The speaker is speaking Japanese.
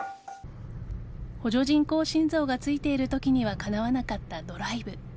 補助人工心臓がついているときにはかなわなかったドライブ。